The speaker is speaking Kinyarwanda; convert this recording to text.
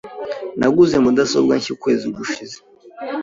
Naguze mudasobwa nshya ukwezi gushize.